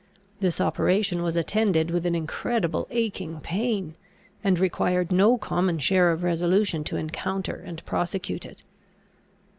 This operation was attended with an incredible aching pain, and required no common share of resolution to encounter and prosecute it.